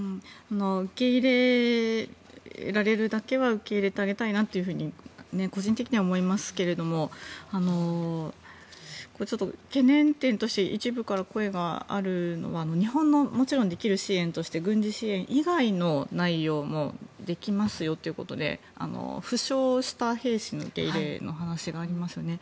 受け入れられるだけは受け入れてあげたいなと個人的には思いますがちょっと懸念点として一部から声があるのは日本のできる支援として軍事支援以外の内容もできますよということで負傷した兵士の受け入れの話がありますよね。